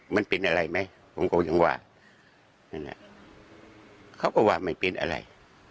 มันเป็นอะไรไหมผมก็ยังว่านั่นเขาก็ว่าไม่เป็นอะไร